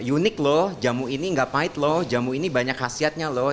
unik loh jamu ini gak pahit loh jamu ini banyak khasiatnya loh